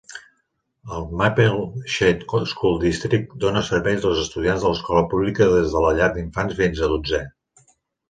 El Maple Shade School District dóna servei als estudiants de l'escola pública des de la llar d'infants fins a dotzè.